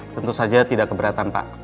tentu saja tidak keberatan pak